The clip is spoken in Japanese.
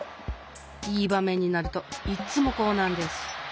いいばめんになるといっつもこうなんです。